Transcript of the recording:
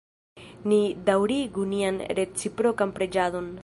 Ni daŭrigu nian reciprokan preĝadon.